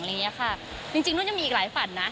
อย่างเงี้ยค่ะจริงจริงนู้นยังมีอีกหลายฝันนะ